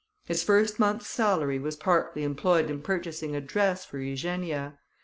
His first month's salary was partly employed in purchasing a dress for Eugenia.